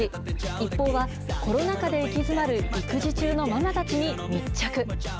ＩＰＰＯＵは、コロナ禍で行き詰まる育児中のママたちに密着。